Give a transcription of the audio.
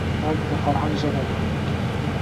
غږ د فرهنګ ژبه ده